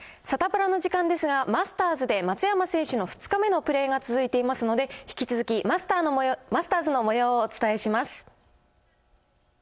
サタプラの時間ですが、マスターズで松山選手の２日目のプレーが続いていますので、引き続き、マスターズのもようをお伝えします。